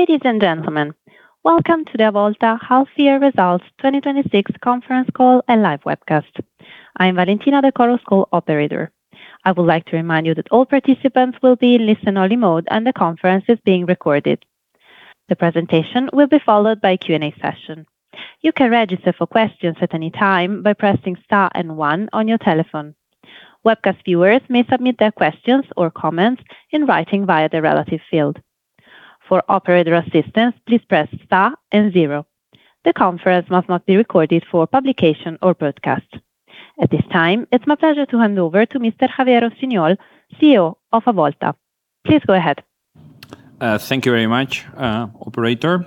Ladies and gentlemen, welcome to the Avolta Half Year Results 2026 conference call and live webcast. I'm Valentina, the call's operator. I would like to remind you that all participants will be in listen-only mode, and the conference is being recorded. The presentation will be followed by a Q&A session. You can register for questions at any time by pressing star and one on your telephone. Webcast viewers may submit their questions or comments in writing via the relative field. For operator assistance, please press star and zero. The conference must not be recorded for publication or broadcast. At this time, it's my pleasure to hand over to Mr. Xavier Rossinyol, CEO of Avolta. Please go ahead. Thank you very much, operator.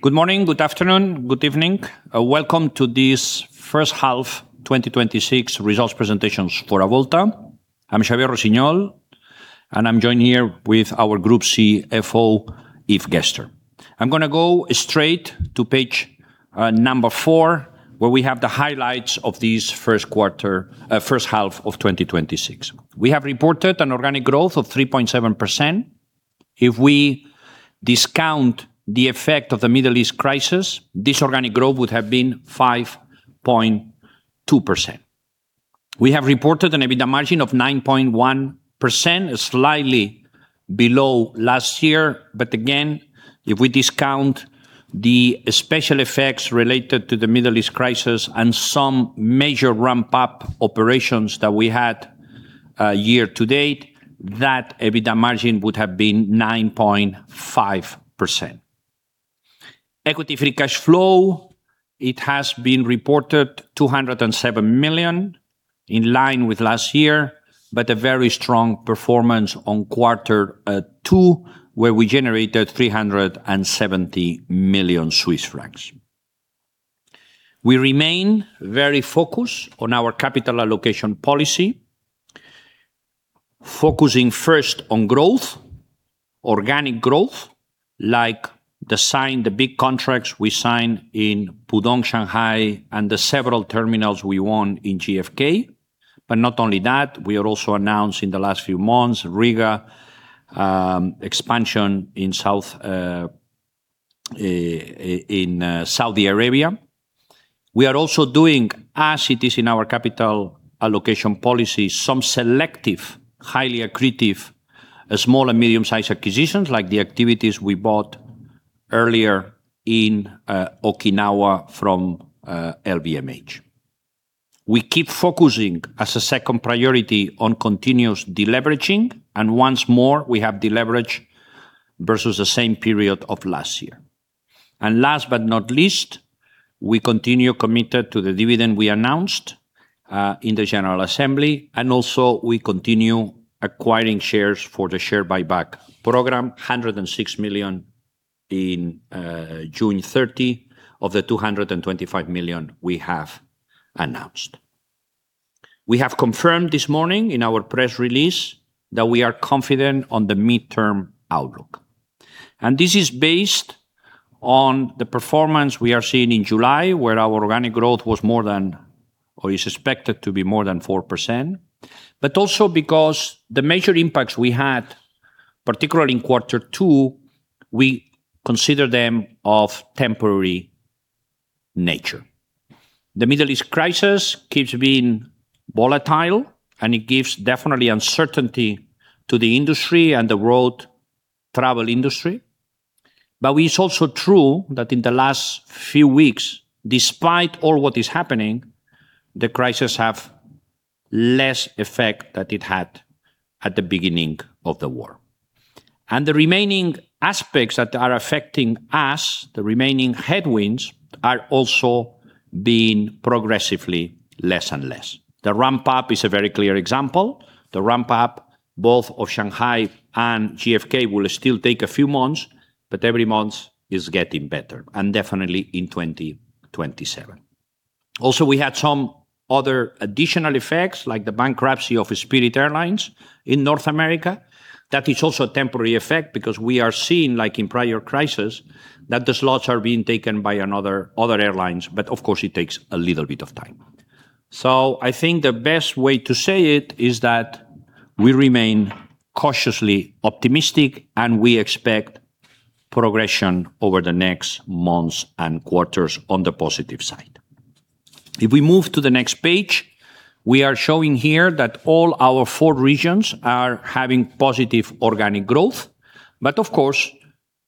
Good morning, good afternoon, good evening. Welcome to this first half 2026 results presentations for Avolta. I'm Xavier Rossinyol, and I'm joined here with our Group CFO, Yves Gerster. I'm going to go straight to page number four, where we have the highlights of this first half of 2026. We have reported an organic growth of 3.7%. If we discount the effect of the Middle East crisis, this organic growth would have been 5.2%. We have reported an EBITDA margin of 9.1%, slightly below last year, but again, if we discount the special effects related to the Middle East crisis and some major ramp-up operations that we had year-to-date, that EBITDA margin would have been 9.5%. Equity free cash flow. It has been reported 207 million, in line with last year, but a very strong performance on quarter two, where we generated 370 million Swiss francs. We remain very focused on our capital allocation policy, focusing first on growth, organic growth, like the big contracts we signed in Pudong, Shanghai, and the several terminals we won in JFK. Not only that, we are also announcing the last few months, Riga, expansion in Saudi Arabia. We are also doing, as it is in our capital allocation policy, some selective, highly accretive, small and medium-sized acquisitions, like the activities we bought earlier in Okinawa from LVMH. We keep focusing as a second priority on continuous deleveraging, and once more, we have deleveraged versus the same period of last year. Last but not least, we continue committed to the dividend we announced in the general assembly, and also we continue acquiring shares for the share buyback program, 106 million in June 30 of the 225 million we have announced. We have confirmed this morning in our press release that we are confident on the midterm outlook. This is based on the performance we are seeing in July, where our organic growth is expected to be more than 4%, but also because the major impacts we had, particularly in quarter two, we consider them of temporary nature. The Middle East crisis keeps being volatile, and it gives definitely uncertainty to the industry and the world travel industry. It's also true that in the last few weeks, despite all what is happening, the crisis have less effect than it had at the beginning of the war. The remaining aspects that are affecting us, the remaining headwinds, are also being progressively less and less. The ramp-up is a very clear example. The ramp-up both of Shanghai and JFK will still take a few months, but every month is getting better, and definitely in 2027. Also, we had some other additional effects, like the bankruptcy of Spirit Airlines in North America. That is also a temporary effect because we are seeing, like in prior crisis, that the slots are being taken by other airlines, but of course it takes a little bit of time. I think the best way to say it is that we remain cautiously optimistic, and we expect progression over the next months and quarters on the positive side. If we move to the next page, we are showing here that all our four regions are having positive organic growth, but of course,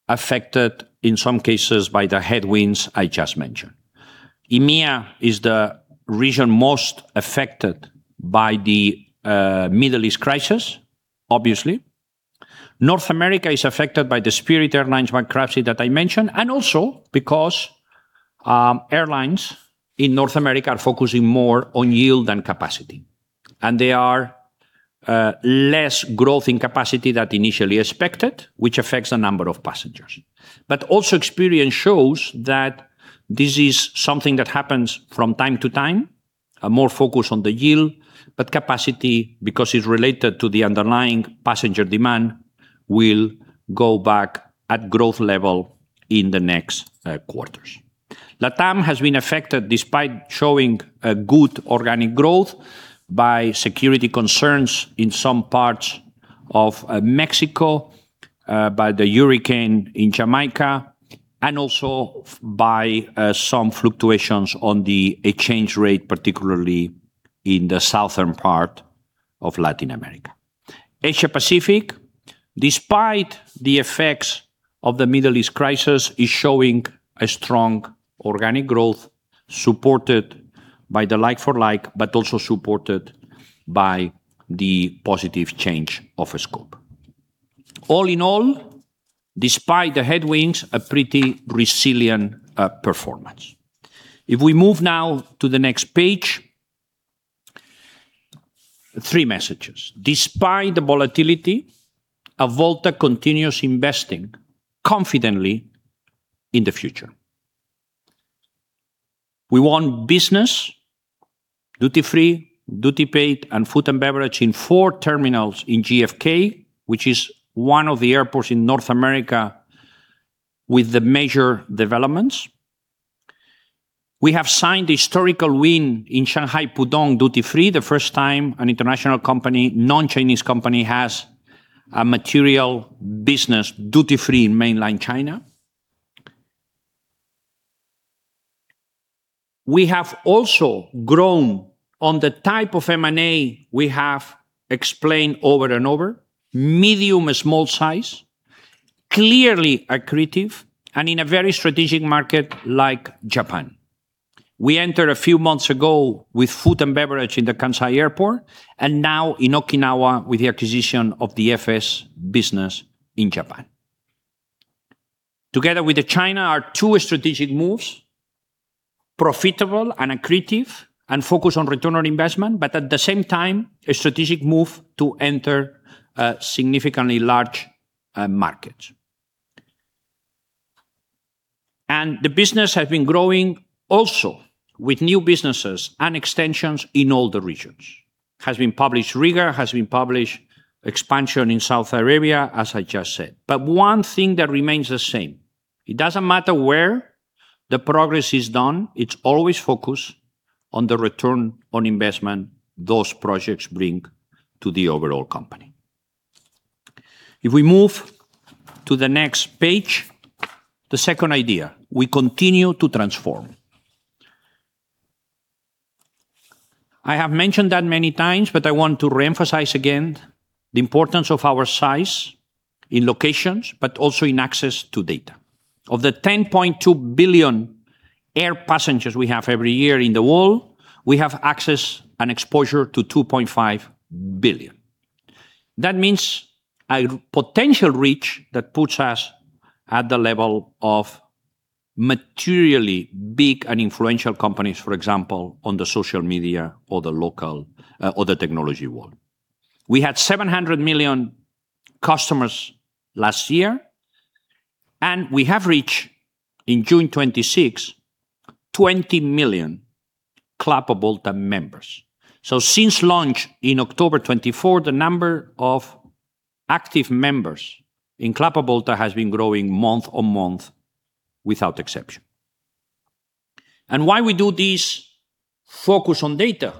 affected in some cases by the headwinds I just mentioned. EMEA is the region most affected by the Middle East crisis, obviously. North America is affected by the Spirit Airlines bankruptcy that I mentioned, and also because airlines in North America are focusing more on yield than capacity, and they are less growth in capacity than initially expected, which affects the number of passengers. Also experience shows that this is something that happens from time to time, a more focus on the yield, but capacity, because it's related to the underlying passenger demand, will go back at growth level in the next quarters. LATAM has been affected, despite showing a good organic growth, by security concerns in some parts of Mexico, by the hurricane in Jamaica, and also by some fluctuations on the exchange rate, particularly in the southern part of Latin America. Asia-Pacific, despite the effects of the Middle East crisis, is showing a strong organic growth supported by the like-for-like, but also supported by the positive change of scope. All in all, despite the headwinds, a pretty resilient performance. If we move now to the next page, three messages. Despite the volatility, Avolta continues investing confidently in the future. We won business, duty free, duty paid, and food and beverage in four terminals in JFK, which is one of the airports in North America with the major developments. We have signed a historical win in Shanghai Pudong duty free, the first time an international company, non-Chinese company, has a material business duty free in mainland China. We have also grown on the type of M&A we have explained over and over, medium and small size, clearly accretive and in a very strategic market like Japan. We entered a few months ago with food and beverage in the Kansai Airport and now in Okinawa with the acquisition of the DFS business in Japan. Together with China are two strategic moves, profitable and accretive and focused on return on investment, but at the same time, a strategic move to enter significantly large markets. The business has been growing also with new businesses and extensions in all the regions. Has been published Riga, has been published expansion in Saudi Arabia, as I just said. One thing that remains the same, it doesn't matter where the progress is done, it's always focused on the return on investment those projects bring to the overall company. We move to the next page, the second idea, we continue to transform. I have mentioned that many times, but I want to reemphasize again the importance of our size in locations, but also in access to data. Of the 10.2 billion air passengers we have every year in the world, we have access and exposure to 2.5 billion. That means a potential reach that puts us at the level of materially big and influential companies, for example, on the social media or the technology world. We had 700 million customers last year. We have reached, in June 2026, 20 million Club Avolta members. Since launch in October 2024, the number of active members in Club Avolta has been growing month on month without exception. Why we do this focus on data,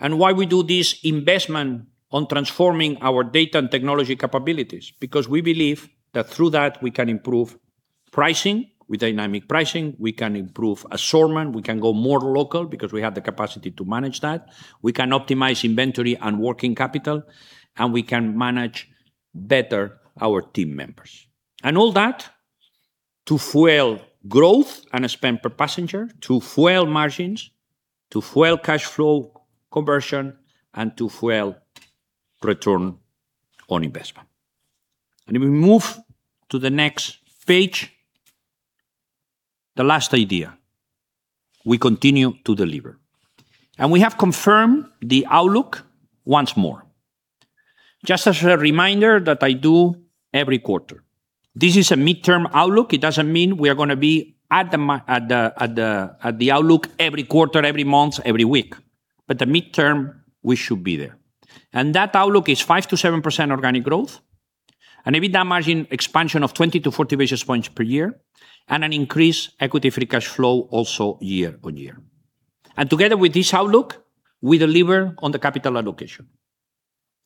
and why we do this investment on transforming our data and technology capabilities, because we believe that through that, we can improve pricing with dynamic pricing, we can improve assortment, we can go more local because we have the capacity to manage that. We can optimize inventory and working capital, and we can manage better our team members. All that to fuel growth and spend per passenger, to fuel margins, to fuel cash flow conversion, and to fuel return on investment. We move to the next page, the last idea, we continue to deliver. We have confirmed the outlook once more. Just as a reminder that I do every quarter. This is a midterm outlook. It doesn't mean we are going to be at the outlook every quarter, every month, every week. The midterm, we should be there. That outlook is 5%-7% organic growth, an EBITDA margin expansion of 20-40 basis points per year, and an increased equity free cash flow also year-over-year. Together with this outlook, we deliver on the capital allocation.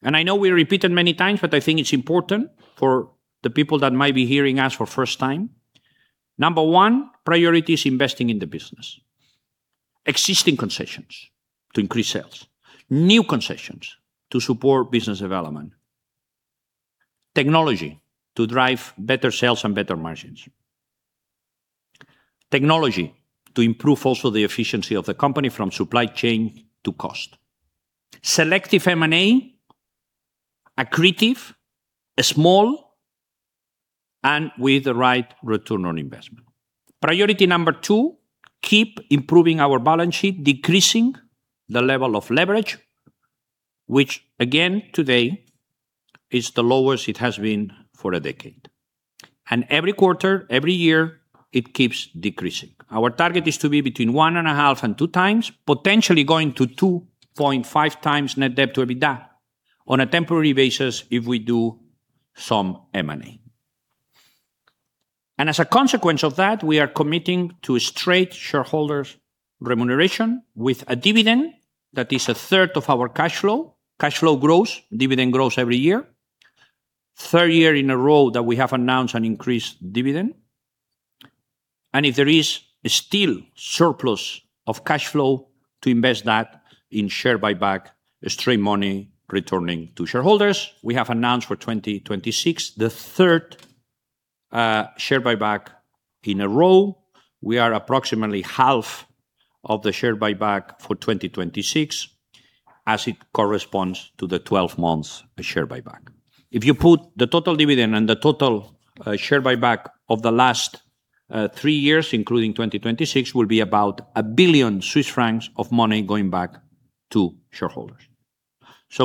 I know we repeat it many times, but I think it's important for the people that might be hearing us for the first time. Number one priority is investing in the business. Existing concessions to increase sales. New concessions to support business development. Technology to drive better sales and better margins. Technology to improve also the efficiency of the company from supply chain to cost. Selective M&A, accretive, small, and with the right return on investment. Priority number two, keep improving our balance sheet, decreasing the level of leverage, which again, today is the lowest it has been for a decade. Every quarter, every year, it keeps decreasing. Our target is to be between 1.5x and 2x, potentially going to 2.5x net debt to EBITDA on a temporary basis if we do some M&A. As a consequence of that, we are committing to straight shareholders' remuneration with a dividend that is a third of our cash flow. Cash flow grows, dividend grows every year. Third year in a row that we have announced an increased dividend. If there is still surplus of cash flow, to invest that in share buyback, straight money returning to shareholders. We have announced for 2026, the third share buyback in a row. We are approximately half of the share buyback for 2026, as it corresponds to the 12 months share buyback. If you put the total dividend and the total share buyback of the last three years, including 2026, will be about 1 billion Swiss francs of money going back to shareholders.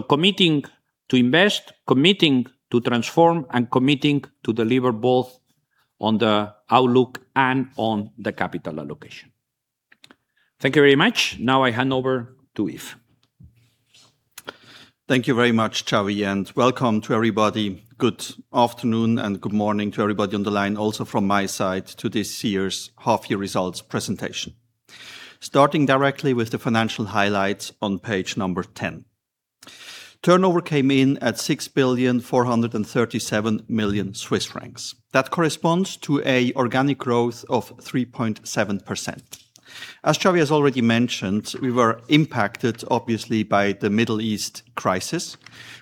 Committing to invest, committing to transform, and committing to deliver both on the outlook and on the capital allocation. Thank you very much. Now I hand over to Yves. Thank you very much, Xavier, and welcome to everybody. Good afternoon and good morning to everybody on the line also from my side to this year's half year results presentation. Starting directly with the financial highlights on page number 10. Turnover came in at 6.437 billion Swiss francs. That corresponds to a organic growth of 3.7%. As Xavier has already mentioned, we were impacted obviously by the Middle East crisis.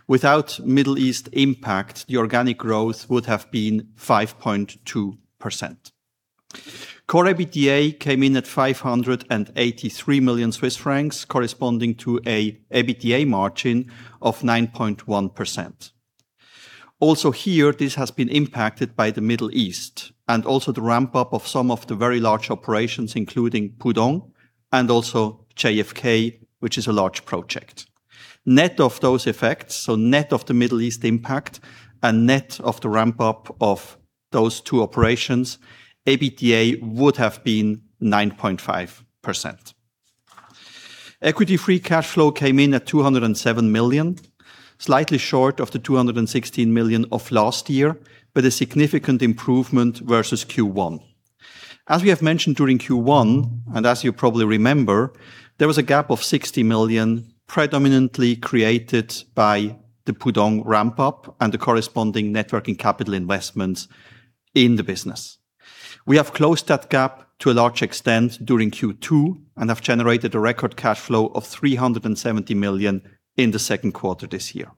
Without Middle East impact, the organic growth would have been 5.2%. Core EBITDA came in at 583 million Swiss francs, corresponding to a EBITDA margin of 9.1%. Also here, this has been impacted by the Middle East, and also the ramp-up of some of the very large operations, including Pudong and also JFK, which is a large project. Net of those effects, net of the Middle East impact and net of the ramp-up of those two operations, EBITDA would have been 9.5%. Equity free cash flow came in at 207 million, slightly short of 216 million of last year, but a significant improvement versus Q1. As we have mentioned during Q1, and as you probably remember, there was a gap of 60 million predominantly created by the Pudong ramp-up and the corresponding net working capital investments in the business. We have closed that gap to a large extent during Q2 and have generated a record cash flow of 370 million in the second quarter this year.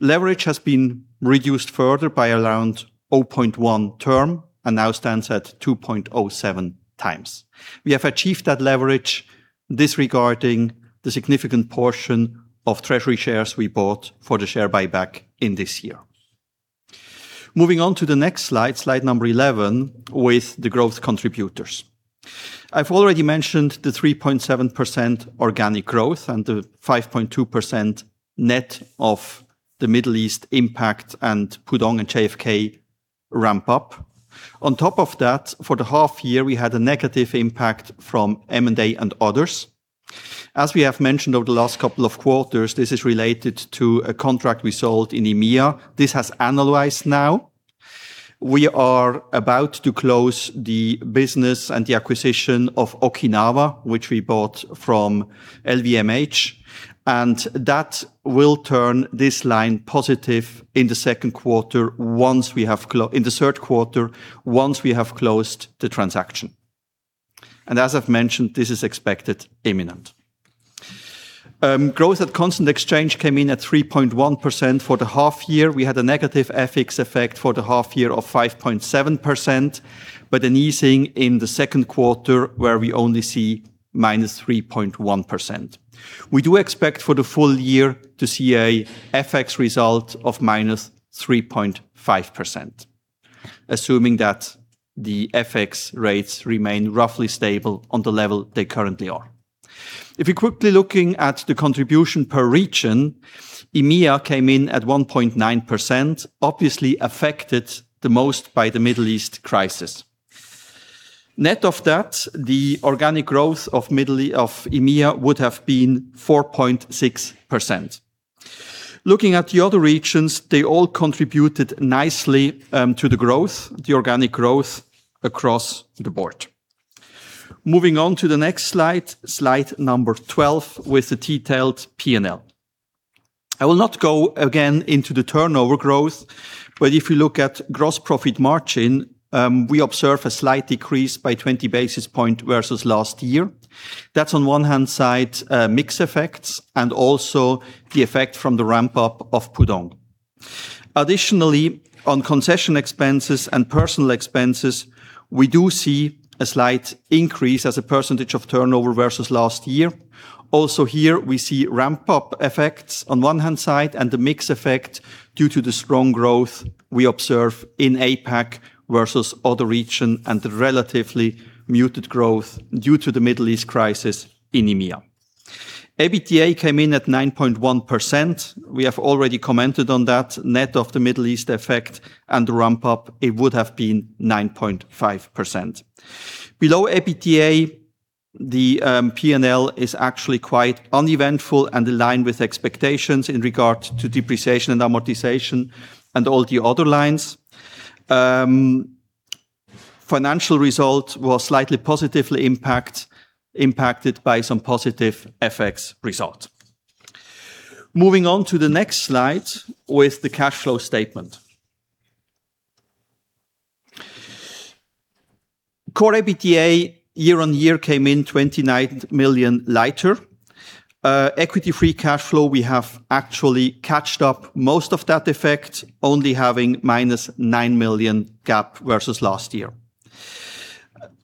Leverage has been reduced further by around 0.1 turn and now stands at 2.07x. We have achieved that leverage disregarding the significant portion of treasury shares we bought for the share buyback in this year. Moving on to the next slide number 11, with the growth contributors. I've already mentioned the 3.7% organic growth and the 5.2% net of the Middle East impact and Pudong and JFK ramp-up. On top of that, for the half year, we had a negative impact from M&A and others. As we have mentioned over the last couple of quarters, this is related to a contract we sold in EMEA. This has annualized now. We are about to close the business and the acquisition of Okinawa, which we bought from LVMH, and that will turn this line positive in the second quarter, once we have closed the transaction. And as I've mentioned, this is expected imminent. Growth at constant exchange came in at 3.1% for the half year. We had a negative FX effect for the half year of 5.7%, but an easing in the second quarter, where we only see -3.1%. We do expect for the full year to see a FX result of -3.5%, assuming that the FX rates remain roughly stable on the level they currently are. If you're quickly looking at the contribution per region, EMEA came in at 1.9%, obviously affected the most by the Middle East crisis. Net of that, the organic growth of EMEA would have been 4.6%. Looking at the other regions, they all contributed nicely to the growth, the organic growth across the board. Moving on to the next slide number 12, with the detailed P&L. I will not go again into the turnover growth, but if you look at gross profit margin, we observe a slight decrease by 20 basis points versus last year. That's on one hand side, mix effects and also the effect from the ramp-up of Pudong. Additionally, on concession expenses and personal expenses, we do see a slight increase as a percentage of turnover versus last year. Also here, we see ramp-up effects on one hand side and the mix effect due to the strong growth we observe in APAC versus other region and the relatively muted growth due to the Middle East crisis in EMEA. EBITDA came in at 9.1%. We have already commented on that. Net of the Middle East effect and the ramp-up, it would have been 9.5%. Below EBITDA, the P&L is actually quite uneventful and aligned with expectations in regard to depreciation and amortization and all the other lines. Financial results were slightly positively impacted by some positive FX results. Moving on to the next slide with the cash flow statement. Core EBITDA year-on-year came in 29 million lighter. Equity free cash flow, we have actually catched up most of that effect only having -9 million gap versus last year.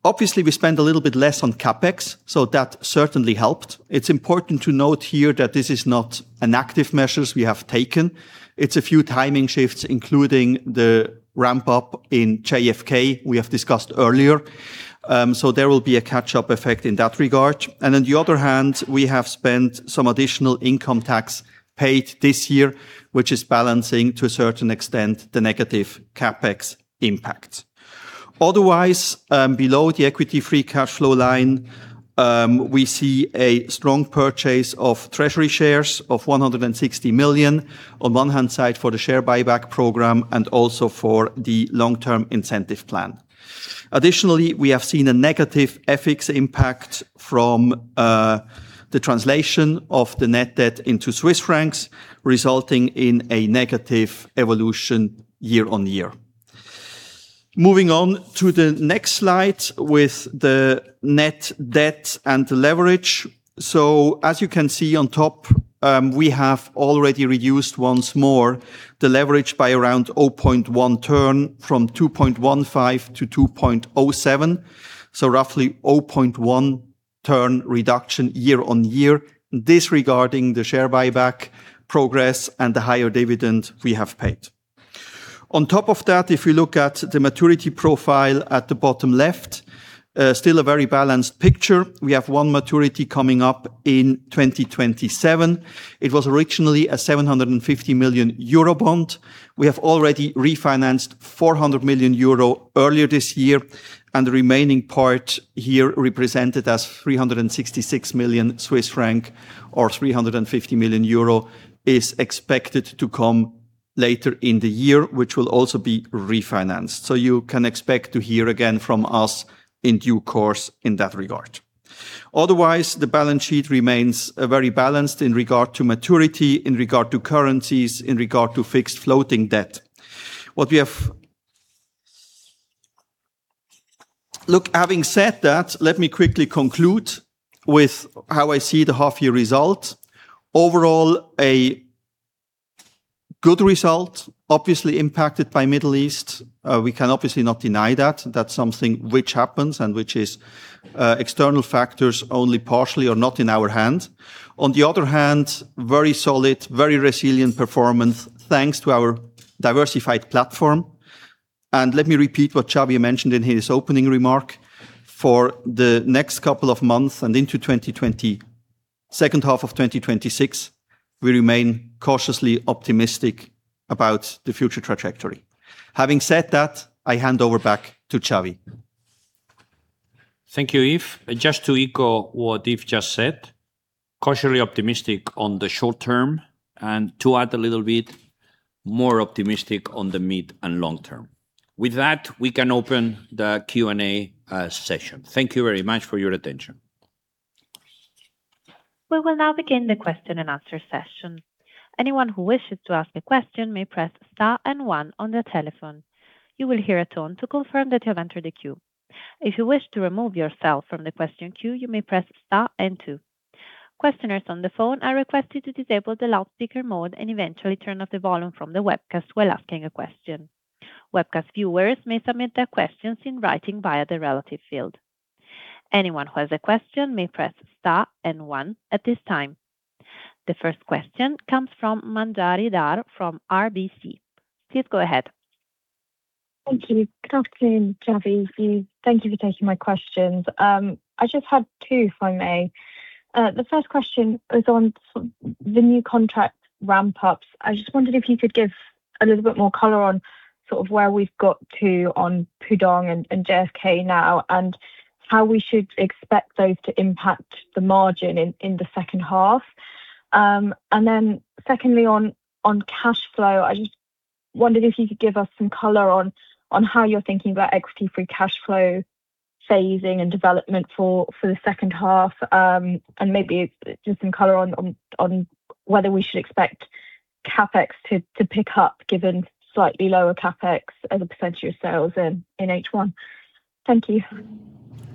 Obviously, we spent a little bit less on CapEx, so that certainly helped. It's important to note here that this is not an active measures we have taken. It's a few timing shifts, including the ramp-up in JFK we have discussed earlier. There will be a catch-up effect in that regard. On the other hand, we have spent some additional income tax paid this year, which is balancing to a certain extent the negative CapEx impact. Otherwise, below the equity free cash flow line, we see a strong purchase of treasury shares of 160 million, on one hand side for the share buyback program and also for the long-term incentive plan. Additionally, we have seen a negative FX impact from the translation of the net debt into Swiss francs, resulting in a negative evolution year-on-year. Moving on to the next slide with the net debt and leverage. As you can see on top, we have already reduced once more the leverage by around 0.1 turn from 2.15x-2.07x, roughly 0.1 turn reduction year-on-year, disregarding the share buyback progress and the higher dividend we have paid. On top of that, if we look at the maturity profile at the bottom left, still a very balanced picture. We have one maturity coming up in 2027. It was originally a 750 million euro bond. We have already refinanced 400 million euro earlier this year, the remaining part here represented as 366 million Swiss franc or 350 million euro, is expected to come later in the year, which will also be refinanced. You can expect to hear again from us in due course in that regard. Otherwise, the balance sheet remains very balanced in regard to maturity, in regard to currencies, in regard to fixed floating debt. Having said that, let me quickly conclude with how I see the half year result. Overall, a good result, obviously impacted by Middle East. We can obviously not deny that. That's something which happens and which is external factors only partially are not in our hand. On the other hand, very solid, very resilient performance thanks to our diversified platform. Let me repeat what Xavi mentioned in his opening remark. For the next couple of months and into second half of 2026, we remain cautiously optimistic about the future trajectory. Having said that, I hand over back to Xavi. Thank you, Yves. Just to echo what Yves just said, cautiously optimistic on the short term, to add a little bit, more optimistic on the mid and long term. With that, we can open the Q&A session. Thank you very much for your attention. We will now begin the question-and-answer session. Anyone who wishes to ask a question may press star and one on their telephone. You will hear a tone to confirm that you have entered the queue. If you wish to remove yourself from the question queue, you may press star and two. Questioners on the phone are requested to disable the loudspeaker mode and eventually turn off the volume from the webcast while asking a question. Webcast viewers may submit their questions in writing via the relative field. Anyone who has a question may press star and one at this time. The first question comes from Manjari Dhar from RBC. Please go ahead. Thank you. Kathleen, Xavi, Yves, thank you for taking my questions. I just had two, if I may. The first question is on the new contract ramp-ups. I just wondered if you could give a little bit more color on sort of where we've got to on Pudong and JFK now, and how we should expect those to impact the margin in the second half. Secondly, on cash flow, I just wondered if you could give us some color on how you're thinking about equity free cash flow phasing and development for the second half. Maybe just some color on whether we should expect CapEx to pick up given slightly lower CapEx as a percentage of sales in H1. Thank you.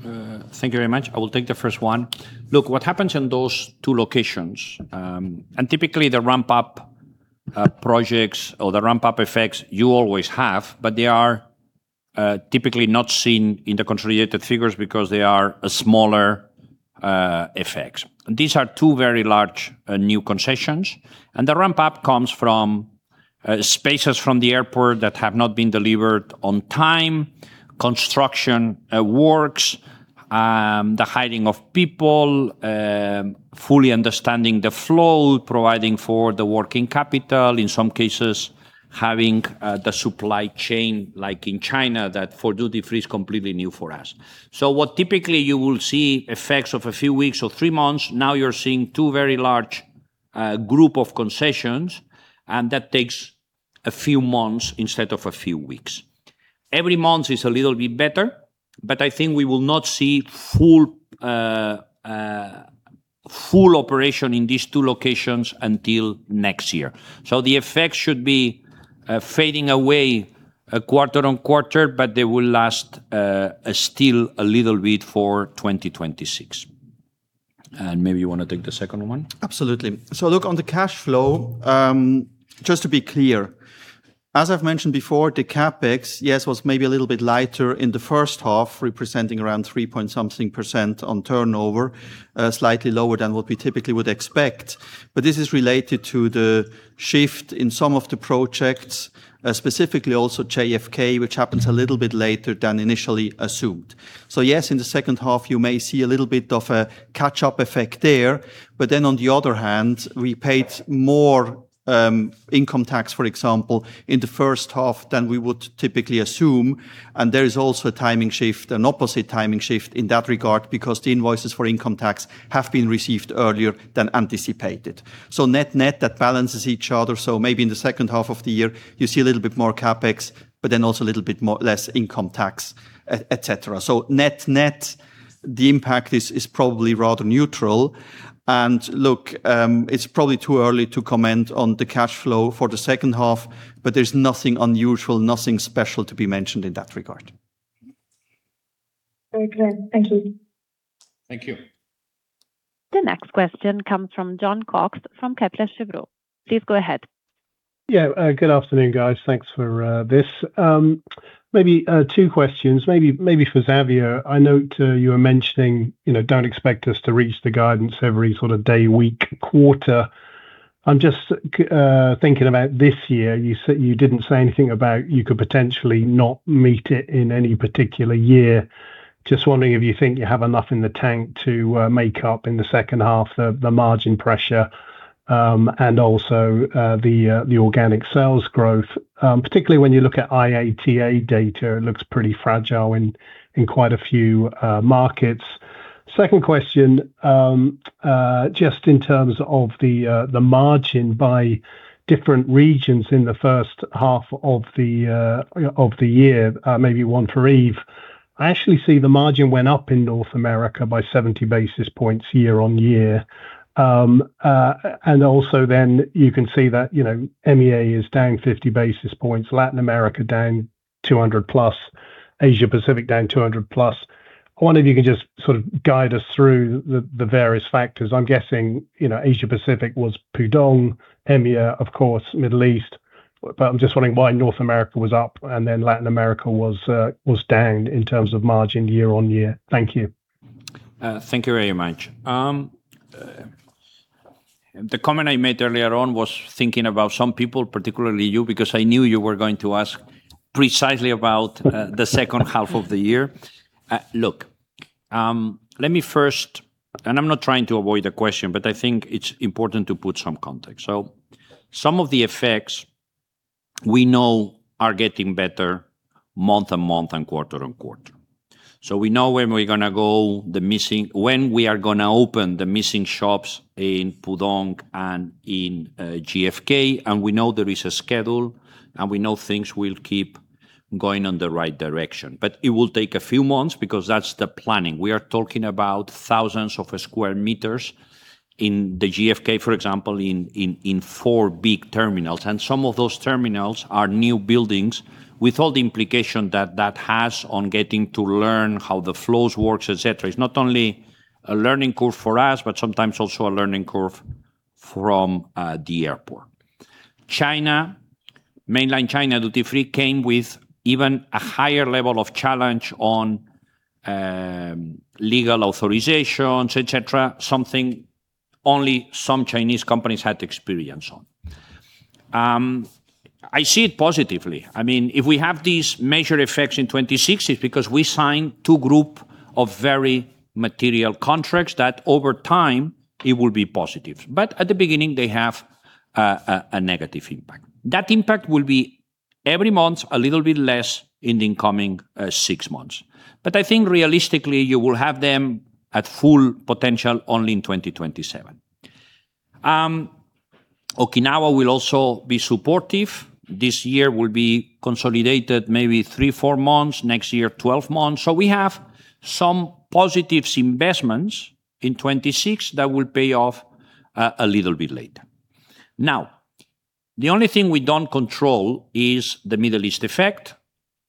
Thank you very much. I will take the first one. Look, what happens in those two locations, and typically the ramp-up projects or the ramp-up effects you always have, but they are typically not seen in the country related figures because they are a smaller effects. These are two very large new concessions, and the ramp-up comes from spaces from the airport that have not been delivered on time, construction works, the hiring of people, fully understanding the flow, providing for the working capital, in some cases, having the supply chain like in China that for duty-free is completely new for us. What typically you will see effects of a few weeks or three months, now you're seeing two very large A group of concessions, and that takes a few months instead of a few weeks. Every month is a little bit better, but I think we will not see full operation in these two locations until next year. The effect should be fading away quarter on quarter, but they will last still a little bit for 2026. Maybe you want to take the second one? Absolutely. Look, on the cash flow, just to be clear, as I've mentioned before, the CapEx, yes, was maybe a little bit lighter in the first half, representing around 3 point something percent on turnover, slightly lower than what we typically would expect. This is related to the shift in some of the projects, specifically also JFK, which happens a little bit later than initially assumed. Yes, in the second half you may see a little bit of a catch-up effect there. On the other hand, we paid more income tax, for example, in the first half than we would typically assume, and there is also a timing shift, an opposite timing shift in that regard because the invoices for income tax have been received earlier than anticipated. Net-net, that balances each other. Maybe in the second half of the year you see a little bit more CapEx, but then also a little bit less income tax, et cetera. Net-net, the impact is probably rather neutral. Look, it's probably too early to comment on the cash flow for the second half, but there's nothing unusual, nothing special to be mentioned in that regard. Very clear. Thank you. Thank you. The next question comes from Jon Cox from Kepler Cheuvreux. Please go ahead. Good afternoon, guys. Thanks for this. Maybe two questions, maybe for Xavier. I note you were mentioning, don't expect us to reach the guidance every sort of day, week, quarter. I'm just thinking about this year. You didn't say anything about you could potentially not meet it in any particular year. Just wondering if you think you have enough in the tank to make up in the second half the margin pressure, and also the organic sales growth. Particularly when you look at IATA data, it looks pretty fragile in quite a few markets. Second question, just in terms of the margin by different regions in the first half of the year, maybe one for Yves. I actually see the margin went up in North America by 70 basis points year-on-year. Also then you can see that EMEA is down 50 basis points, Latin America down 200+, Asia-Pacific down 200+. I wonder if you can just sort of guide us through the various factors. I'm guessing Asia-Pacific was Pudong, EMEA, of course, Middle East. I'm just wondering why North America was up and then Latin America was down in terms of margin year-on-year. Thank you. Thank you very much. The comment I made earlier on was thinking about some people, particularly you, because I knew you were going to ask precisely about the second half of the year. Look, let me first, I'm not trying to avoid the question, but I think it's important to put some context. Some of the effects we know are getting better month-on-month and quarter-on-quarter. We know when we are going to open the missing shops in Pudong and in JFK, we know there is a schedule, we know things will keep going in the right direction. It will take a few months because that's the planning. We are talking about thousands of square meters in the JFK, for example, in four big terminals, some of those terminals are new buildings with all the implication that that has on getting to learn how the flows works, et cetera. It's not only a learning curve for us, but sometimes also a learning curve from the airport. Mainland China duty free came with even a higher level of challenge on legal authorizations, et cetera, something only some Chinese companies had experience on. I see it positively. If we have these major effects in 2026, it's because we signed two group of very material contracts that, over time, it will be positive. At the beginning, they have a negative impact. That impact will be every month, a little bit less in the coming six months. I think realistically, you will have them at full potential only in 2027. Okinawa will also be supportive. This year will be consolidated maybe three, four months. Next year, 12 months. We have some positives investments in 2026 that will pay off a little bit later. The only thing we don't control is the Middle East effect.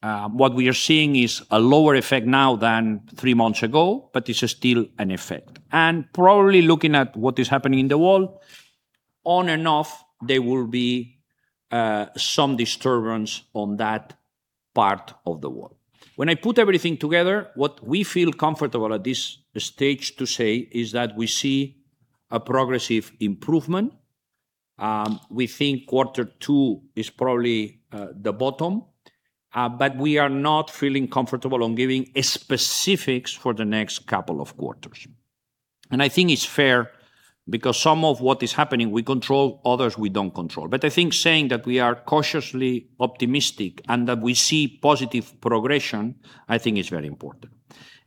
What we are seeing is a lower effect now than three months ago, but it's still an effect. Probably looking at what is happening in the world, on and off, there will be some disturbance on that part of the world. When I put everything together, what we feel comfortable at this stage to say is that we see a progressive improvement. We think quarter two is probably the bottom, but we are not feeling comfortable on giving specifics for the next couple of quarters. I think it's fair because some of what is happening, we control, others we don't control. I think saying that we are cautiously optimistic and that we see positive progression, I think is very important.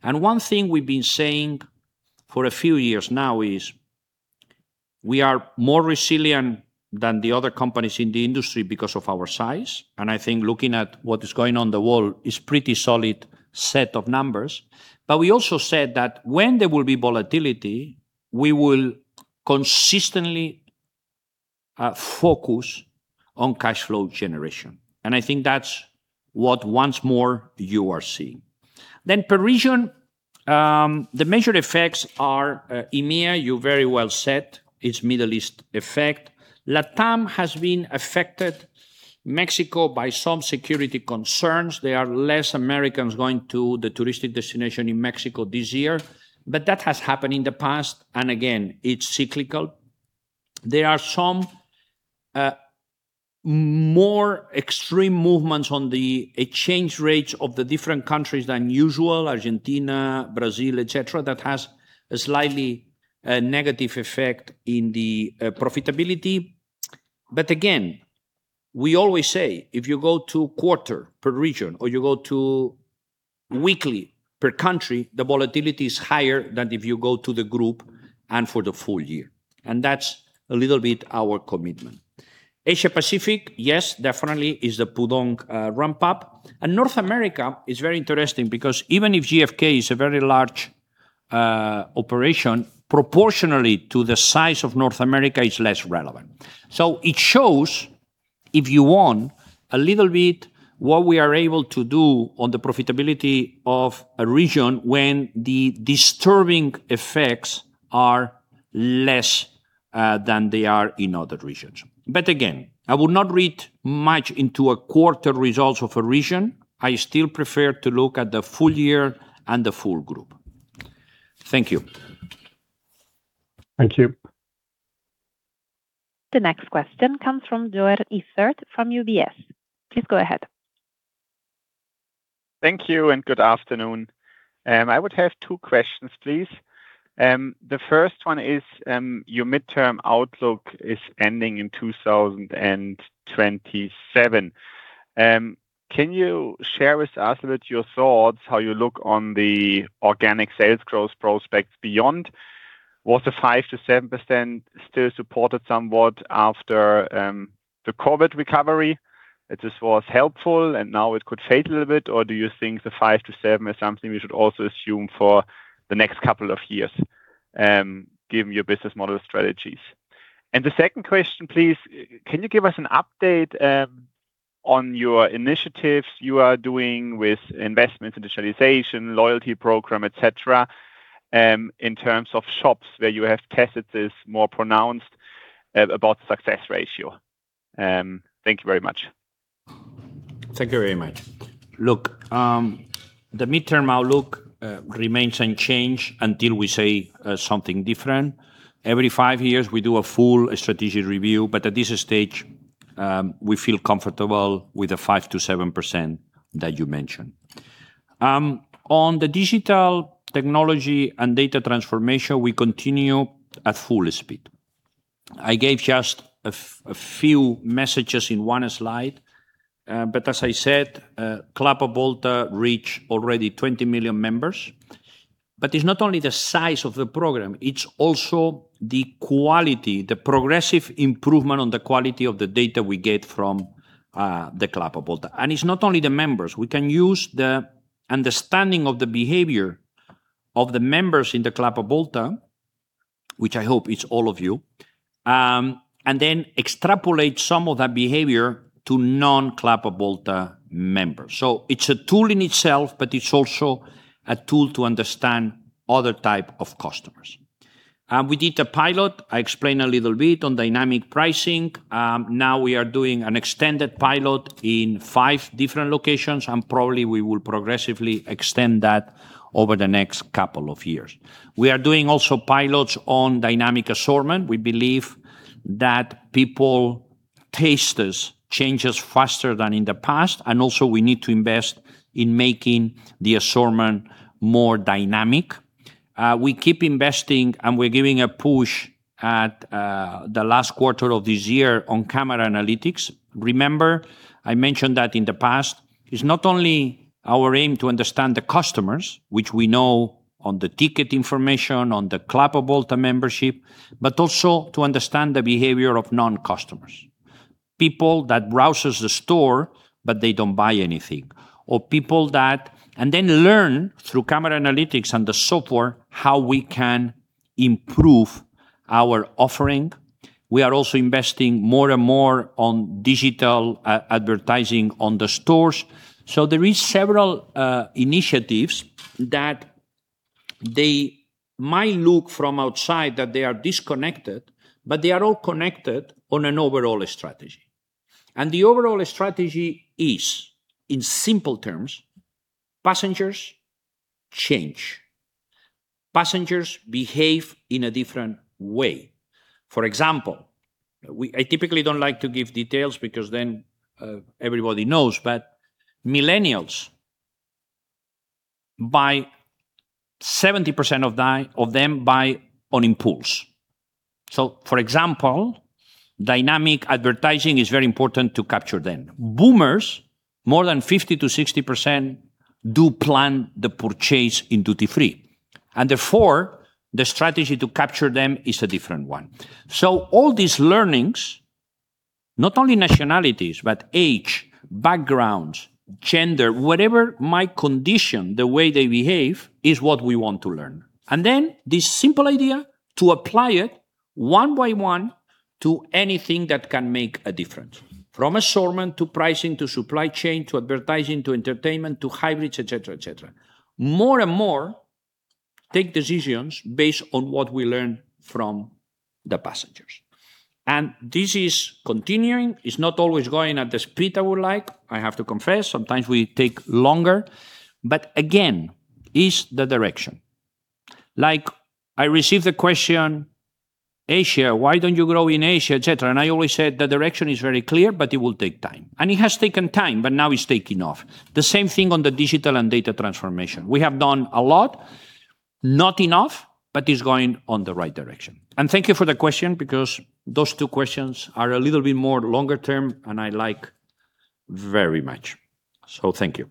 One thing we've been saying for a few years now is we are more resilient than the other companies in the industry because of our size. I think looking at what is going on in the world, it's pretty solid set of numbers. We also said that when there will be volatility, we will consistently focus on cash flow generation. I think that's what, once more, you are seeing. Per region, the major effects are EMEA, you very well said, it's Middle East effect. LATAM has been affected, Mexico by some security concerns. There are less Americans going to the touristic destination in Mexico this year. That has happened in the past, and again, it's cyclical. There are some more extreme movements on the exchange rates of the different countries than usual, Argentina, Brazil, et cetera, that has a slightly negative effect in the profitability. Again, we always say, if you go to quarter per region or you go to weekly per country, the volatility is higher than if you go to the group and for the full year. That's a little bit our commitment. Asia Pacific, yes, definitely is the Pudong ramp-up. North America is very interesting because even if JFK is a very large operation, proportionally to the size of North America, it's less relevant. It shows, if you want, a little bit what we are able to do on the profitability of a region when the disturbing effects are less than they are in other regions. Again, I would not read much into a quarter results of a region. I still prefer to look at the full year and the full group. Thank you. Thank you. The next question comes from Joern Iffert from UBS. Please go ahead. Thank you and good afternoon. I would have two questions, please. The first one is, your midterm outlook is ending in 2027. Can you share with us a bit your thoughts, how you look on the organic sales growth prospects beyond? Was the 5%-7% still supported somewhat after the COVID recovery? It just was helpful, and now it could fade a little bit? Or do you think the 5%-7% is something we should also assume for the next couple of years, given your business model strategies? The second question, please, can you give us an update on your initiatives you are doing with investments, digitalization, loyalty program, et cetera, in terms of shops where you have tested this more pronounced about success ratio? Thank you very much. Thank you very much. Look, the midterm outlook remains unchanged until we say something different. Every five years, we do a full strategic review, but at this stage, we feel comfortable with the 5%-7% that you mentioned. On the digital technology and data transformation, we continue at full speed. I gave just a few messages in one slide. As I said, Club Avolta reached already 20 million members. It's not only the size of the program, it's also the quality, the progressive improvement on the quality of the data we get from the Club Avolta. It's not only the members. We can use the understanding of the behavior of the members in the Club Avolta, which I hope it's all of you, and then extrapolate some of that behavior to non-Club Avolta members. It's a tool in itself, but it's also a tool to understand other type of customers. We did a pilot, I explained a little bit on dynamic pricing. Now we are doing an extended pilot in five different locations, and probably we will progressively extend that over the next couple of years. We are doing also pilots on dynamic assortment. We believe that people taste us, changes faster than in the past, and also we need to invest in making the assortment more dynamic. We keep investing, and we're giving a push at the last quarter of this year on camera analytics. Remember, I mentioned that in the past, it's not only our aim to understand the customers, which we know on the ticket information, on the Club Avolta membership, but also to understand the behavior of non-customers. People that browses the store, but they don't buy anything, or people that learn through camera analytics and the software, how we can improve our offering. We are also investing more and more on digital advertising on the stores. There is several initiatives that they might look from outside that they are disconnected, but they are all connected on an overall strategy. The overall strategy is, in simple terms, passengers change. Passengers behave in a different way. For example, I typically don't like to give details because then everybody knows, but millennials, 70% of them buy on impulse. For example, dynamic advertising is very important to capture them. Boomers, more than 50%-60%, do plan the purchase in duty free, and therefore, the strategy to capture them is a different one. All these learnings, not only nationalities, but age, backgrounds, gender, whatever might condition the way they behave, is what we want to learn. Then this simple idea to apply it one by one to anything that can make a difference, from assortment to pricing, to supply chain, to advertising, to entertainment, to hybrids, et cetera. More and more, take decisions based on what we learn from the passengers. This is continuing. It's not always going at the speed I would like, I have to confess. Sometimes we take longer, but again, it's the direction. I received the question, Asia, why don't you grow in Asia, et cetera. I always said the direction is very clear, but it will take time. It has taken time, but now it's taking off. The same thing on the digital and data transformation. We have done a lot, not enough, but it's going on the right direction. Thank you for the question because those two questions are a little bit more longer term, and I like very much. Thank you.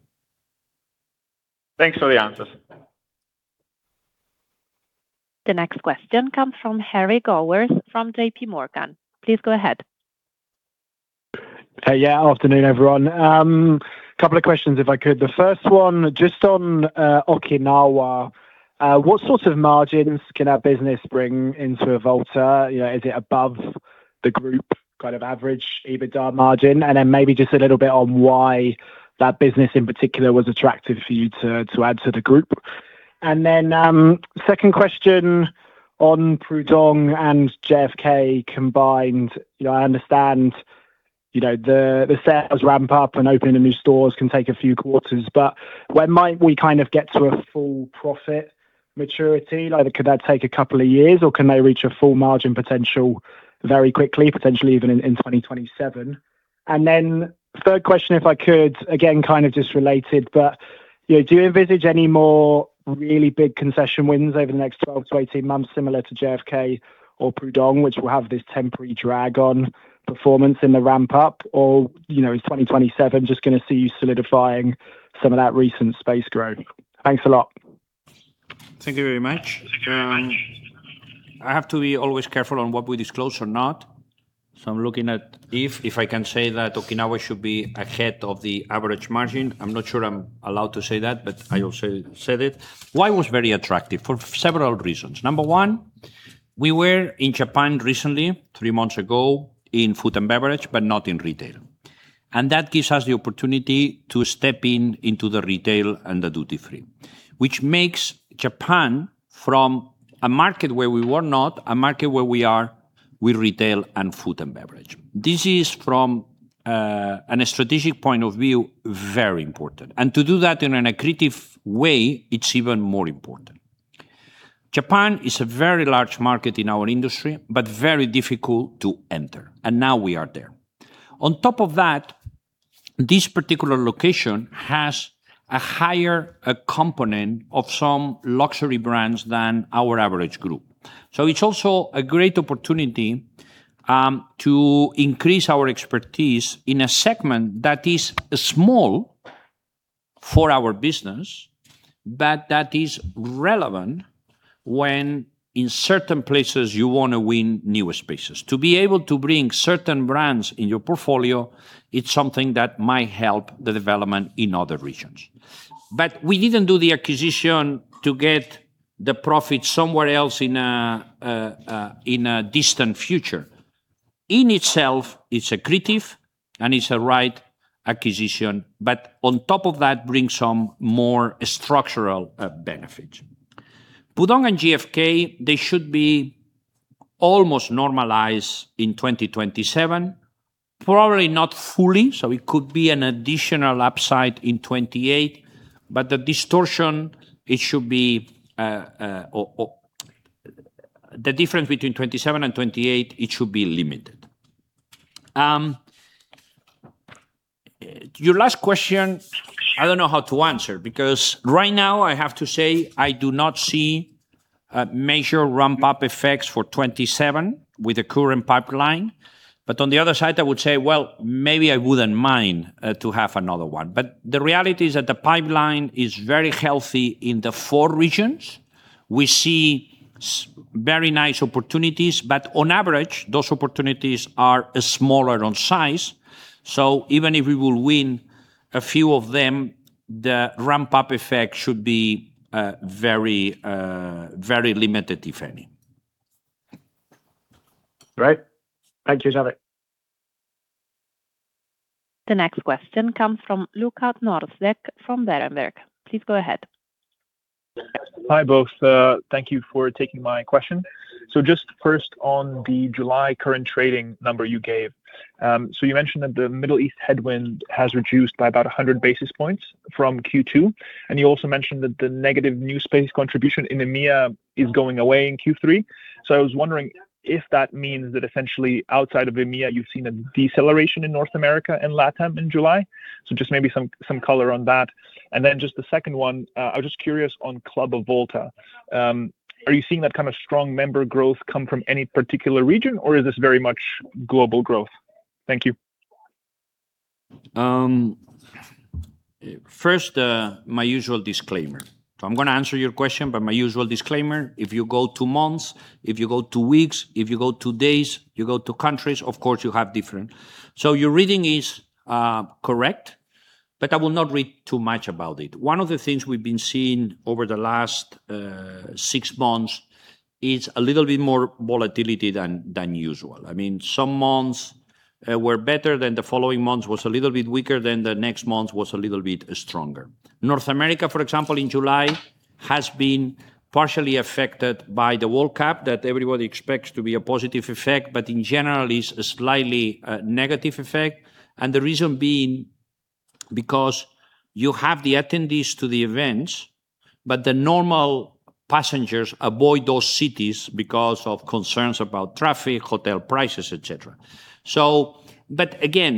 Thanks for the answers. The next question comes from Harry Gowers from JPMorgan. Please go ahead. Afternoon, everyone. Couple of questions, if I could. The first one, just on Okinawa, what sort of margins can that business bring into Avolta? Is it above the group average EBITDA margin? Maybe just a little bit on why that business in particular was attractive for you to add to the group. Second question on Pudong and JFK combined. I understand, the sales ramp-up and opening the new stores can take a few quarters, but when might we get to a full profit maturity? Could that take a couple of years, or can they reach a full margin potential very quickly, potentially even in 2027? Third question, if I could, again, just related, but do you envisage any more really big concession wins over the next 12-18 months, similar to JFK or Pudong, which will have this temporary drag on performance in the ramp-up? Is 2027 just going to see you solidifying some of that recent space growth? Thanks a lot. Thank you very much. I have to be always careful on what we disclose or not. I'm looking at if I can say that Okinawa should be ahead of the average margin. I'm not sure I'm allowed to say that, but I also said it. Why it was very attractive, for several reasons. Number one, we were in Japan recently, three months ago, in food and beverage, but not in retail. That gives us the opportunity to step in into the retail and the duty free, which makes Japan from a market where we were not, a market where we are with retail and food and beverage. This is from a strategic point of view, very important. To do that in an accretive way, it's even more important. Japan is a very large market in our industry, but very difficult to enter, and now we are there. On top of that, this particular location has a higher component of some luxury brands than our average group. It's also a great opportunity to increase our expertise in a segment that is small for our business, but that is relevant when in certain places you want to win new spaces. To be able to bring certain brands in your portfolio, it's something that might help the development in other regions. We didn't do the acquisition to get the profit somewhere else in a distant future. In itself, it's accretive and it's a right acquisition. On top of that, brings some more structural benefits. Pudong and JFK, they should be almost normalized in 2027, probably not fully, so it could be an additional upside in 2028, but the difference between 2027 and 2028, it should be limited. Your last question, I don't know how to answer, because right now I have to say I do not see major ramp-up effects for 2027 with the current pipeline. On the other side, I would say, well, maybe I wouldn't mind to have another one. The reality is that the pipeline is very healthy in the four regions. We see very nice opportunities, but on average, those opportunities are smaller on size. Even if we will win a few of them, the ramp-up effect should be very limited, if any. Great. Thank you, Xavier. The next question comes from Luka Trnovsek from Berenberg. Please go ahead. Hi, both. Thank you for taking my question. Just first on the July current trading number you gave. You mentioned that the Middle East headwind has reduced by about 100 basis points from Q2, and you also mentioned that the negative new space contribution in EMEA is going away in Q3. I was wondering if that means that essentially outside of EMEA, you've seen a deceleration in North America and LATAM in July. Just maybe some color on that. Just the second one, I was just curious on Club Avolta. Are you seeing that kind of strong member growth come from any particular region, or is this very much global growth? Thank you. First, my usual disclaimer. I'm going to answer your question, but my usual disclaimer, if you go to months, if you go to weeks, if you go to days, you go to countries, of course, you have different. Your reading is correct, but I will not read too much about it. One of the things we've been seeing over the last six months is a little bit more volatility than usual. Some months were better, then the following months was a little bit weaker, then the next months was a little bit stronger. North America, for example, in July, has been partially affected by the World Cup that everybody expects to be a positive effect, but in general, it's a slightly negative effect. The reason being because you have the attendees to the events, but the normal passengers avoid those cities because of concerns about traffic, hotel prices, et cetera. Again,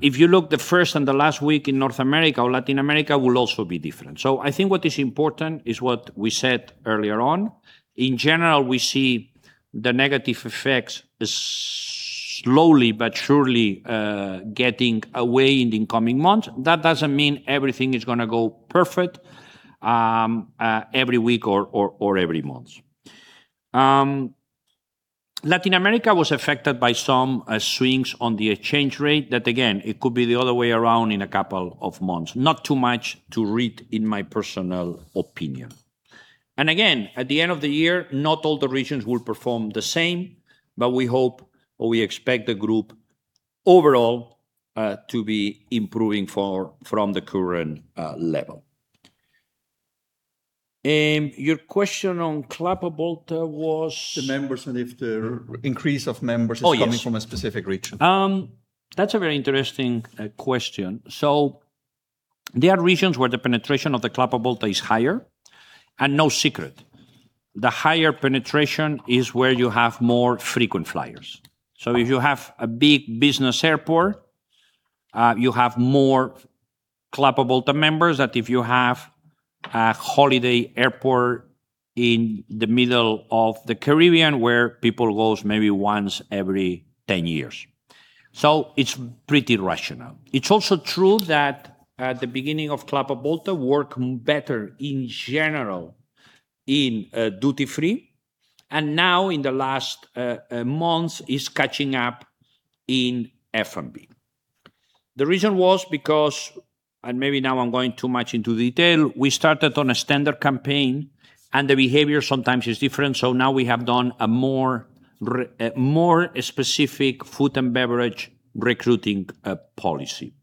if you look the first and the last week in North America or Latin America will also be different. I think what is important is what we said earlier on. In general, we see the negative effects slowly but surely getting away in the coming months. That doesn't mean everything is going to go perfect every week or every month. Latin America was affected by some swings on the exchange rate. That again, it could be the other way around in a couple of months. Not too much to read, in my personal opinion. At the end of the year, not all the regions will perform the same, but we hope or we expect the group overall, to be improving from the current level. Your question on Avolta was? The members and if the increase of members. Oh, yes. is coming from a specific region. That's a very interesting question. There are regions where the penetration of the Club Avolta is higher, and no secret. The higher penetration is where you have more frequent flyers. If you have a big business airport, you have more Club Avolta members than if you have a holiday airport in the middle of the Caribbean where people goes maybe once every 10 years. It's pretty rational. It's also true that at the beginning of Club Avolta, worked better in general in duty free, and now in the last months, it's catching up in F&B. The reason was because, and maybe now I'm going too much into detail, we started on a standard campaign, and the behavior sometimes is different, now we have done a more specific food and beverage recruiting policy.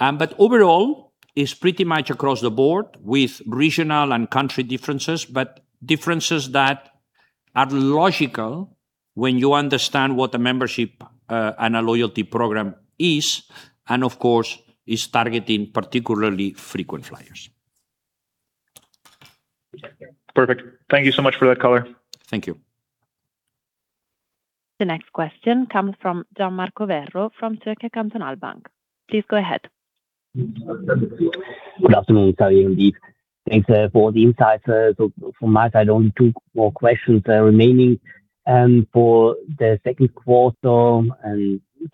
Overall, it's pretty much across the board with regional and country differences, but differences that are logical when you understand what a membership and a loyalty program is, and of course, is targeting particularly frequent flyers. Perfect. Thank you so much for that color. Thank you. The next question comes from Gian Marco Werro from Zürcher Kantonalbank. Please go ahead. Good afternoon, Xavier and Yves. Thanks for the insights. From my side, only two more questions remaining. For the second quarter,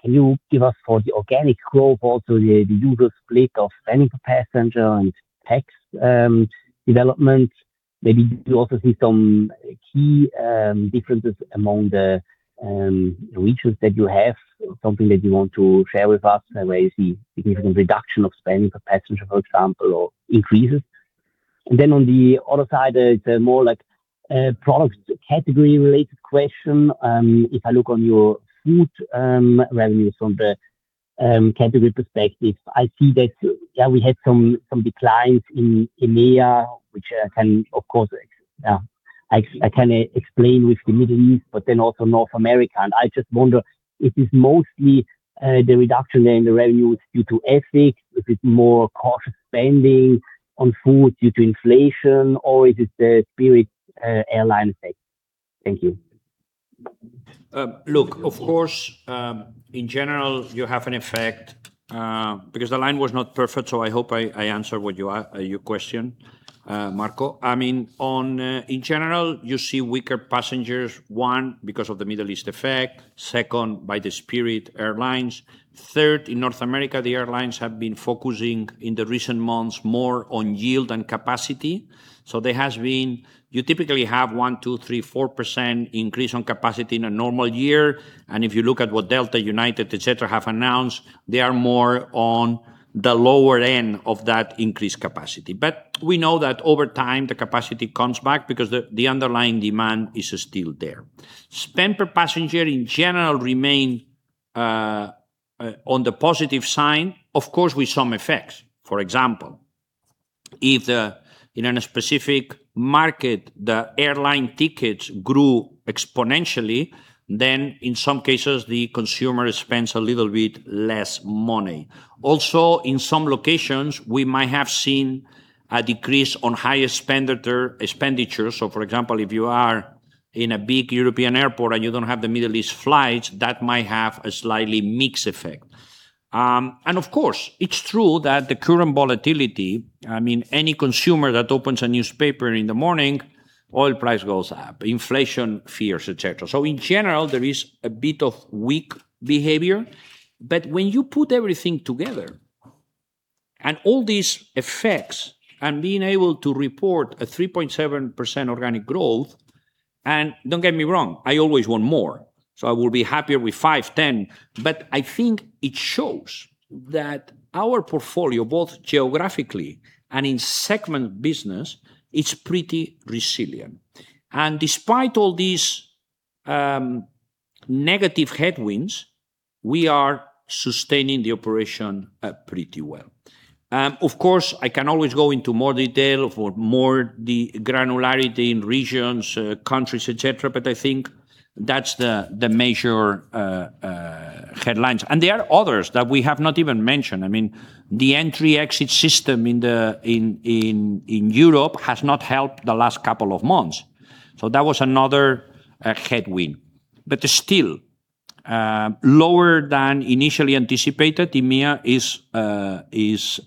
can you give us for the organic growth also the usual split of spending per passenger and tax development? Maybe you also see some key differences among the regions that you have, something that you want to share with us, where you see significant reduction of spending per passenger, for example, or increases. On the other side, it's a more products category related question. If I look on your food revenues from the category perspective, I see that, yeah, we had some declines in EMEA, which I can explain with the Middle East, but then also North America. I just wonder, if it's mostly the reduction there in the revenues due to FX, if it's more cautious spending on food due to inflation, or is it the Spirit Airlines effect? Thank you. Look, of course, in general, you have an effect, because the line was not perfect, so I hope I answer your question, Marco. In general, you see weaker passengers, one, because of the Middle East effect, second, by the Spirit Airlines. Third, in North America, the airlines have been focusing in the recent months more on yield and capacity. You typically have 1%, 2%, 3%, 4% increase on capacity in a normal year. If you look at what Delta, United, et cetera, have announced, they are more on the lower end of that increased capacity. We know that over time, the capacity comes back because the underlying demand is still there. Spend per passenger in general remain on the positive sign, of course, with some effects. For example, if in a specific market, the airline tickets grew exponentially, then in some cases, the consumer spends a little bit less money. Also, in some locations, we might have seen a decrease on high expenditure. For example, if you are in a big European airport and you don't have the Middle East flights, that might have a slightly mixed effect. Of course, it's true that the current volatility, any consumer that opens a newspaper in the morning Oil price goes up, inflation fears, et cetera. In general, there is a bit of weak behavior, but when you put everything together and all these effects and being able to report a 3.7% organic growth, and don't get me wrong, I always want more, so I will be happier with five, 10. I think it shows that our portfolio, both geographically and in segment business, is pretty resilient. Despite all these negative headwinds, we are sustaining the operation pretty well. Of course, I can always go into more detail for more the granularity in regions, countries, et cetera, but I think that's the major headlines. There are others that we have not even mentioned. The Entry/Exit System in Europe has not helped the last couple of months. That was another headwind, but still, lower than initially anticipated. EMEA is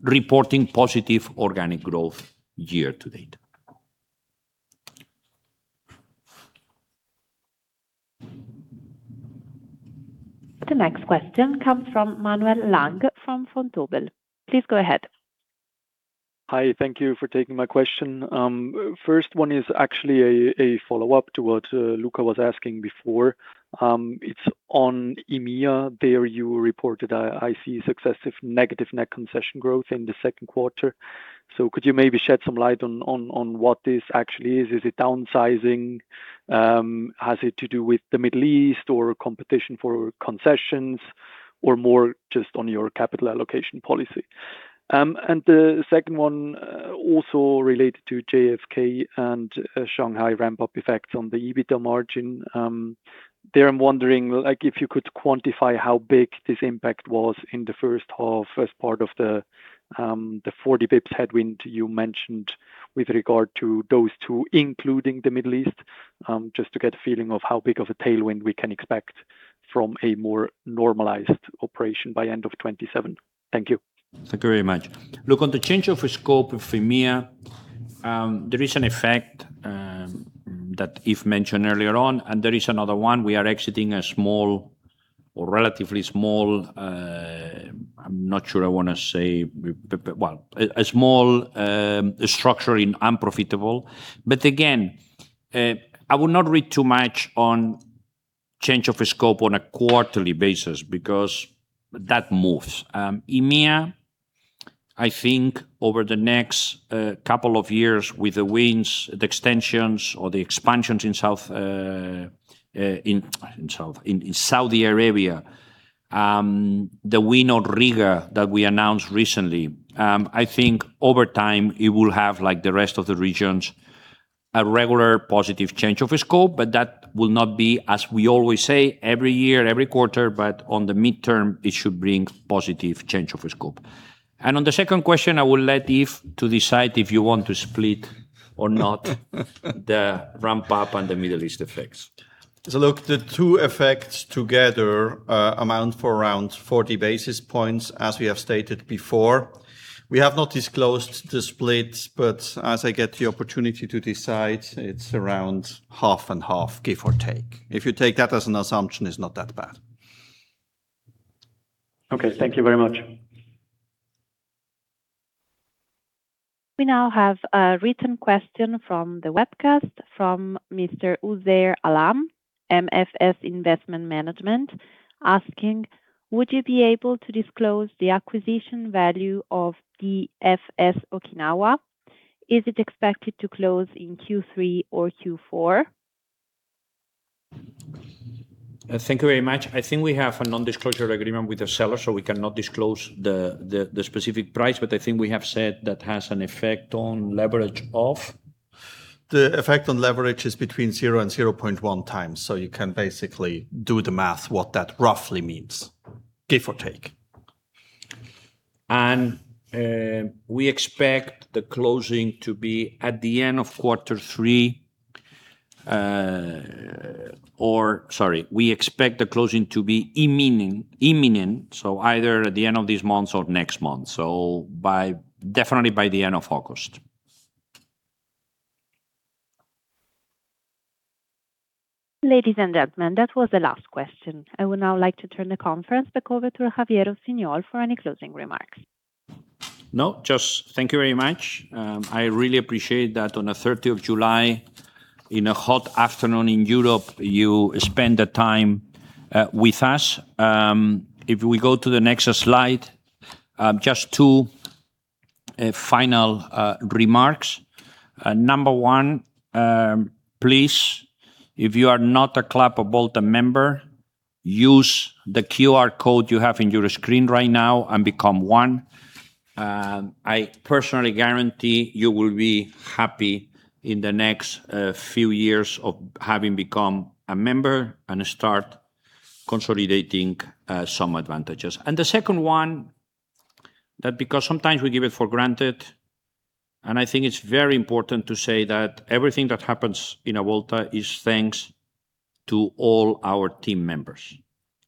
reporting positive organic growth year to date. The next question comes from Manuel Lang from Vontobel. Please go ahead. Hi. Thank you for taking my question. First one is actually a follow-up to what Luka was asking before. It's on EMEA. There, you reported, I see successive negative net concession growth in the second quarter. Could you maybe shed some light on what this actually is? Is it downsizing? Has it to do with the Middle East or competition for concessions or more just on your capital allocation policy? The second one, also related to JFK and Shanghai ramp-up effects on the EBITDA margin. There, I'm wondering if you could quantify how big this impact was in the first half, first part of the 40 basis points headwind you mentioned with regard to those two, including the Middle East, just to get a feeling of how big of a tailwind we can expect from a more normalized operation by end of 2027. Thank you. Thank you very much. Look, on the change of scope for EMEA, there is an effect that Yves mentioned earlier on, and there is another one. We are exiting a small or relatively small, I'm not sure I want to say, well, a small structure in unprofitable. Again, I would not read too much on change of scope on a quarterly basis because that moves. EMEA, I think over the next couple of years with the wins, the extensions or the expansions in Saudi Arabia, the win of Riga that we announced recently, I think over time it will have, like the rest of the regions, a regular positive change of scope. That will not be, as we always say, every year, every quarter, but on the midterm, it should bring positive change of scope. On the second question, I will let Yves to decide if you want to split or not the ramp-up and the Middle East effects. Look, the two effects together amount for around 40 basis points, as we have stated before. We have not disclosed the split, but as I get the opportunity to decide, it's around half and half, give or take. If you take that as an assumption, it's not that bad. Okay. Thank you very much. We now have a written question from the webcast from Mr. Uzair Alam, MFS Investment Management, asking, "Would you be able to disclose the acquisition value of DFS Okinawa? Is it expected to close in Q3 or Q4? Thank you very much. I think we have a non-disclosure agreement with the seller, we cannot disclose the specific price, I think we have said that has an effect on leverage of- The effect on leverage is between 0x and 0.1x, you can basically do the math what that roughly means, give or take. We expect the closing to be at the end of quarter three, sorry, we expect the closing to be imminent, either at the end of this month or next month. Definitely by the end of August. Ladies and gentlemen, that was the last question. I would now like to turn the conference back over to Xavier Rossinyol for any closing remarks. No, just thank you very much. I really appreciate that on the 30th of July, in a hot afternoon in Europe, you spend the time with us. If we go to the next slide, just two final remarks. Number one, please, if you are not a Club Avolta member, use the QR code you have in your screen right now and become one. I personally guarantee you will be happy in the next few years of having become a member and start consolidating some advantages. The second one, that because sometimes we give it for granted, and I think it's very important to say that everything that happens in Avolta is thanks to all our team members.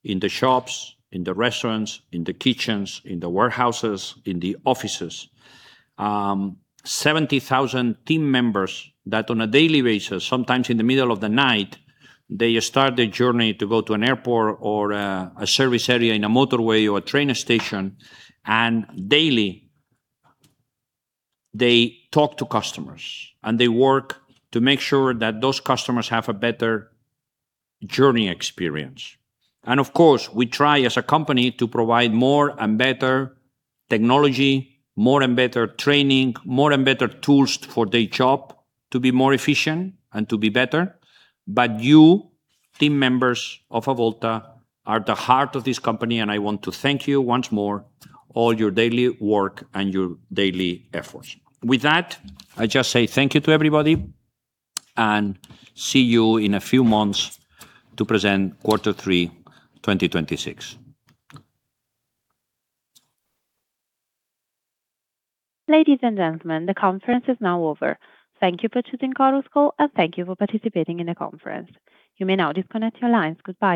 In the shops, in the restaurants, in the kitchens, in the warehouses, in the offices. 70,000 team members that on a daily basis, sometimes in the middle of the night, they start their journey to go to an airport or a service area in a motorway or a train station. Daily, they talk to customers, and they work to make sure that those customers have a better journey experience. Of course, we try as a company to provide more and better technology, more and better training, more and better tools for their job to be more efficient and to be better. You, team members of Avolta, are the heart of this company. I want to thank you once more all your daily work and your daily efforts. With that, I just say thank you to everybody. See you in a few months to present quarter three 2026. Ladies and gentlemen, the conference is now over. Thank you for choosing Chorus Call. Thank you for participating in the conference. You may now disconnect your lines. Goodbye